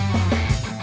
lo mau sepatunya